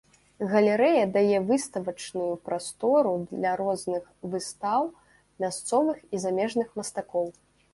Галерэя дае выставачную прастору для розных выстаў мясцовых і замежных мастакоў.